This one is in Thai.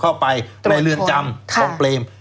เข้าไปในเรือนจำของเปรม